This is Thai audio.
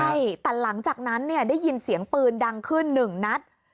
ใช่แต่หลังจากนั้นเนี่ยได้ยินเสียงปืนดังขึ้นหนึ่งนัด